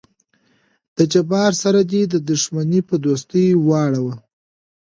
د جبار سره دې دښمني په دوستي واړو.